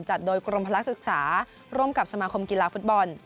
จัดโดยกรมพลักษึกษาร่วมกับสมาคมกีฬาฟุตบอล